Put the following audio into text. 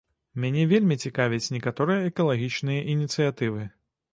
Мяне вельмі цікавяць некаторыя экалагічныя ініцыятывы.